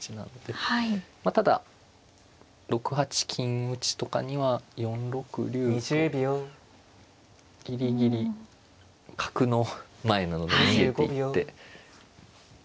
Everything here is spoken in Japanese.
まあただ６八金打とかには４六竜とギリギリ角の前なので逃げていって。